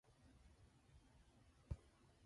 It is pale white in colour, and comes in large wheels.